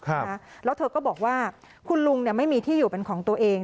แล้วเธอก็บอกว่าคุณลุงเนี่ยไม่มีที่อยู่เป็นของตัวเอง